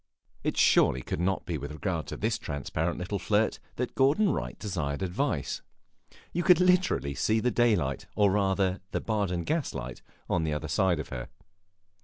It surely could not be with regard to this transparent little flirt that Gordon Wright desired advice; you could literally see the daylight or rather the Baden gaslight on the other side of her.